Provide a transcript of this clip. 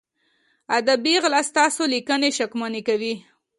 ادبي غلا ستاسو لیکنې شکمنې کوي.